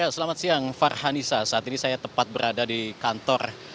selamat siang farhanisa saat ini saya tepat berada di kantor